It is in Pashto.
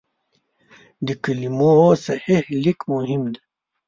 د کلمو صحیح لیک مهم دی.